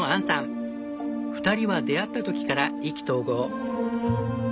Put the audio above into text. ２人は出会った時から意気投合。